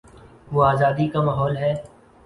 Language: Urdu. وہ آزادی کا ماحول ہے۔